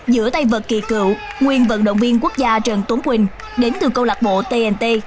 giữa tay vật kỳ cựu nguyên vận động viên quốc gia trần tốn quỳnh đến từ câu lạc bộ tnt